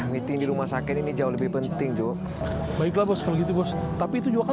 meeting di rumah sakit ini jauh lebih penting jo baiklah bos kalau gitu bos tapi itu juga akan